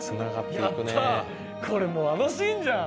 やったこれもうあのシーンじゃん！